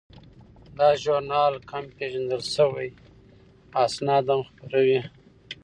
دا ژورنال کم پیژندل شوي اسناد هم خپروي.